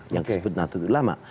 yang disebut nato ulama